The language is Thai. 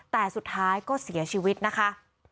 แต่สุดท้ายก็เสียชีวิตนะคะ